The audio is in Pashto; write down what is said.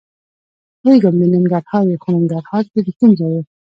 پوهېږم د ننګرهار یې؟ خو ننګرهار کې د کوم ځای یې؟